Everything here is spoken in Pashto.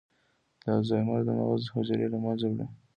د الزایمر د مغز حجرې له منځه وړي.